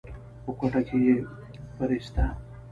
په کوټه کې يې پريېسته.